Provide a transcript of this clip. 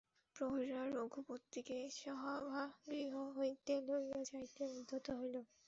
প্রহরীরা রঘুপতিকে সভাগৃহ হইতে লইয়া যাইতে উদ্যত হইল।